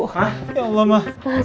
ma ya allah ma